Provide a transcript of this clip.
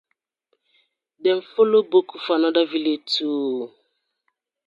Dem follow boku for another villag too oo.